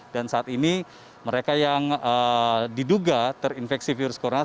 saat ini mereka yang diduga terinfeksi virus corona